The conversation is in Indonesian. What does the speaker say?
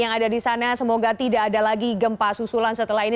yang ada di sana semoga tidak ada lagi gempa susulan setelah ini